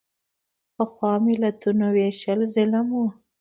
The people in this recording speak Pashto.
پخوا ملتونو وېشل ظلم و.